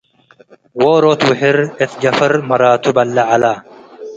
ዎሮት ውህር እት ጀፈር መራት በሌ'ዕ ዐለ።